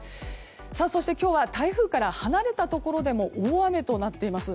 そして今日は台風から離れたところでも大雨となっています。